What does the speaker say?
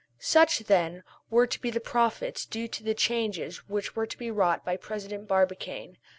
Such, then, were to be the profits due to the changes which were to be wrought by President Barbicane.